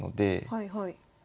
はいはい。